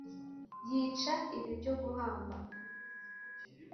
yica ibi byo guhamba